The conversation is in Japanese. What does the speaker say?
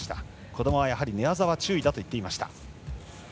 児玉は寝技は注意だと言っていました。